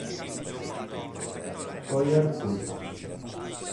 Sawyer Fulton